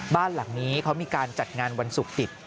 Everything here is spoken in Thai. บ้านหลังนี้เขามีการจัดงานวันศุกร์ติด